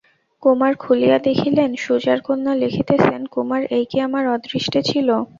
কুমার খুলিয়া দেখিলেন সুজার কন্যা লিখিতেছেন, কুমার, এই কি আমার অদৃষ্টে ছিল?